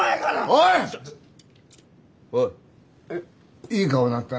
おいいい顔になったな。